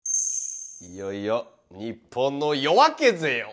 いよいよ日本の夜明けぜよ！